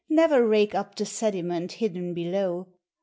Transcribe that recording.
Ne'er rake up the sediment hidden below!